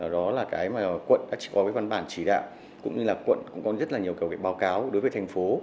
đó là cái mà quận đã có cái văn bản chỉ đạo cũng như là quận cũng có rất là nhiều cái báo cáo đối với thành phố